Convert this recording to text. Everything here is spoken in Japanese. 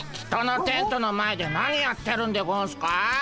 人のテントの前で何やってるんでゴンスか？